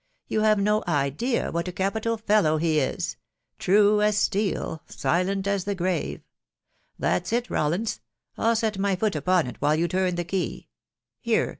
• You have no ides w; capital fellow he is !.... true as steel .... silent as the %.... That 8 it, Rawlins !.... I'll set my foot mpon it i you turn the key .... here